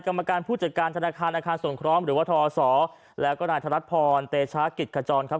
กรรมการผู้จัดการธนาคารอาคารสงคล้อมหรือว่าทศแล้วก็นายธนัดพรเตชากิจขจรครับ